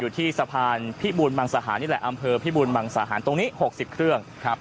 ที่สะพานพิบูรมังสาหารนี่แหละอำเภอพิบูรมังสาหารตรงนี้๖๐เครื่องครับ